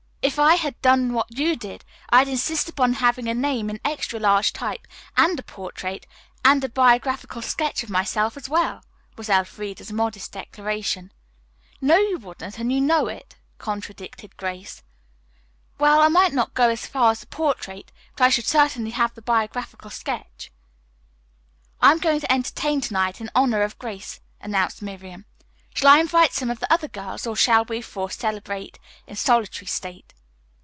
"If I had done what you did, I'd insist upon having my name in extra large type, and a portrait and biographical sketch of myself as well," was Elfreda's modest declaration. "No, you wouldn't, and you know it," contradicted Grace. "Well, I might not go as far as the portrait, but I should certainly have the biographical sketch." "I am going to entertain to night in honor of Grace," announced Miriam. "Shall I invite some of the other girls, or shall we four celebrate in solitary state?"